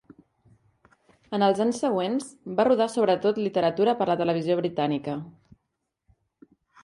En els anys següents va rodar sobretot literatura per la televisió britànica.